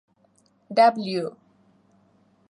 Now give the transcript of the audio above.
W